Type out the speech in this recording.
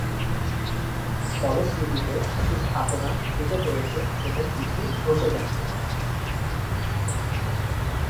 ফলশ্রুতিতে কিছু স্থাপনা ঝুঁকে পড়েছে এবং কিছু ধ্বসে গেছে।